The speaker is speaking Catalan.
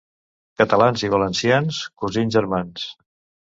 Catalans i valencians, cosins germans.